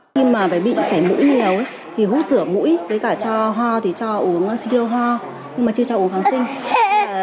khi mà bệnh bị chảy mũi mèo thì hút sữa mũi với cả cho ho thì cho uống siêu ho nhưng mà chưa cho uống kháng sinh